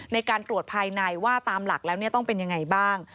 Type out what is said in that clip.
ในการตรวจภายในว่าตามหลักแล้วต้องเป็นยังไงบ้าง